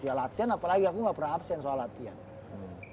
ya latihan apalagi aku gak pernah absen soal latihan